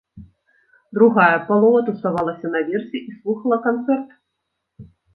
Другая палова тусавалася наверсе і слухала канцэрт.